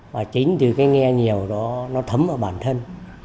và chính từ cái nghe nhiều đó nó thấm vào bản thân